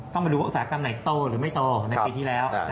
ต้องมาดูว่าอุตสาหกรรมไหนโตหรือไม่โตในปีที่แล้ว